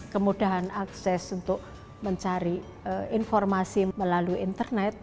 kemudahan akses untuk mencari informasi melalui internet